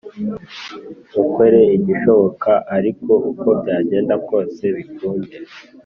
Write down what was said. Mukore igishoboka ariko uko byagenda kose bikunde.